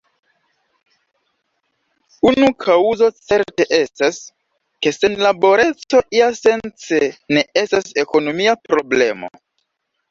Unu kaŭzo certe estas, ke senlaboreco iasence ne estas ekonomia problemo.